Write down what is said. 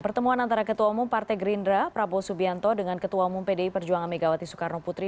pertemuan antara ketua umum partai gerindra prabowo subianto dengan ketua umum pdi perjuangan megawati soekarno putri